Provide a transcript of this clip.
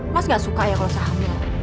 mas gak suka ya kalau saya hamil